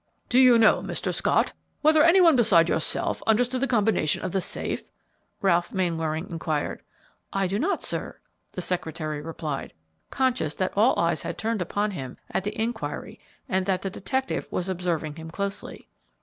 "Do you know, Mr. Scott, whether any one beside yourself understood the combination of the safe?" Ralph Mainwaring inquired. "I do not, sir," the secretary replied, conscious that all eyes had turned upon him at the inquiry and that the detective was observing him closely.